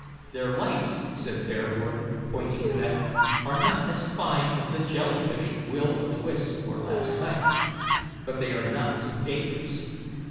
"Their lights," said Bearwarden, pointing to them, "are not as fine as the jelly fish Will o' the wisps were last night, but they are not so dangerous.